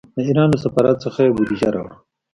د ایران له سفارت څخه یې بودجه راوړه.